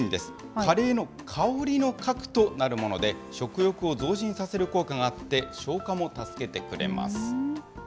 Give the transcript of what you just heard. カレーの香りの核となるもので、食欲を増進させる効果があって、消化も助けてくれます。